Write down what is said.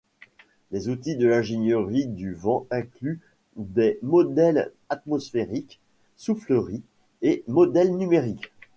Les outils de l'ingénierie du vent incluent des modèles atmosphériques, souffleries et modèles numériques.